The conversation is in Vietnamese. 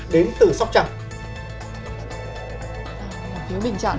đến từ sóc trăng